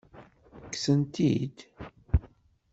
Kksent-t-id?